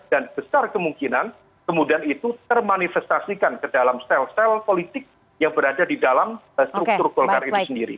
besar kemungkinan kemudian itu termanifestasikan ke dalam sel sel politik yang berada di dalam struktur golkar itu sendiri